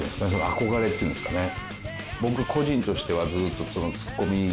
憧れっていうんですかね。